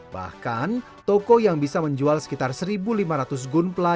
bahkan toko yang bisa menjual sekitar satu lima ratus gunplay